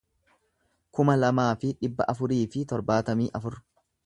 kuma lamaa fi dhibba afurii fi torbaatamii afur